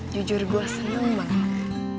jujur gue seneng banget